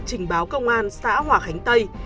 trình báo công an xã hòa khánh tây